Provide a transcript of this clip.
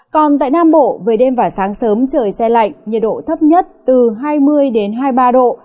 còn tại nam bộ về đêm và sáng sớm trời xe lạnh nhiệt độ thấp nhất từ hai mươi hai mươi ba độ